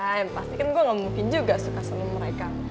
yang pasti kan gue gak mungkin juga suka sama mereka